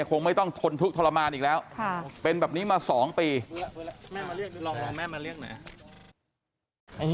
คงไม่ต้องทนทุกข์ทรมานอีกแล้วเป็นแบบนี้มา๒ปี